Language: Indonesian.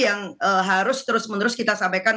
yang harus terus menerus kita sampaikan